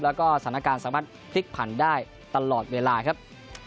แล้วก็สถานการณ์สามารถพลิกผันได้ตลอดเวลาครับ